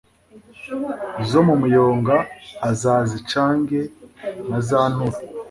zo mu muyonga Azazicange na za nturo